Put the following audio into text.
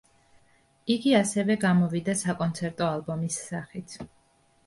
იგი ასევე გამოვიდა საკონცერტო ალბომის სახით.